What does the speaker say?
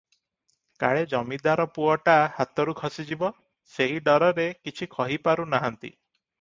କାଳେ ଜମିଦାର ପୁଅଟା ହାତରୁ ଖସିଯିବ, ସେହି ଡରରେ କିଛି କହି ପାରୁନାହାନ୍ତି ।